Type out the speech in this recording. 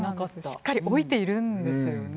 しっかり老いているんですよね。